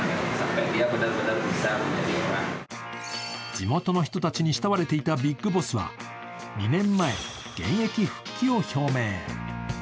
地元の人たちに慕われていたビッグボスは２年前、現役復帰を表明。